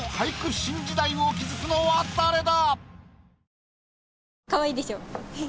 新時代を築くのは誰だ